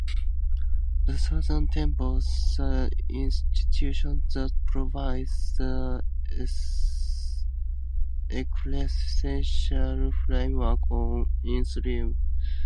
The Thousand Temples - The Institution that provides the ecclesiastical framework of Inrithism.